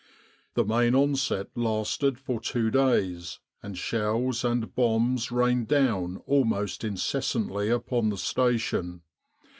The main onset lasted for two days, and shells and bombs rained down almost incessantly upon the station.